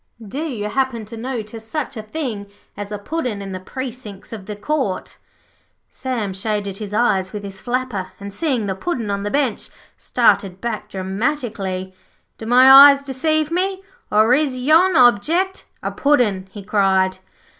Do you happen to notice such a thing as a Puddin' in the precinks of the Court?' Sam shaded his eyes with his flapper and, seeing the Puddin' on the bench, started back dramatically. 'Do my eyes deceive me, or is yon object a Puddin'?' he cried.